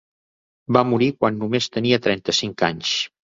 Va morir quan només tenia trenta-cinc anys.